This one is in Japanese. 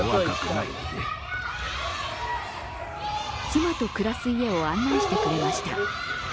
妻と暮らす家を案内してくれました。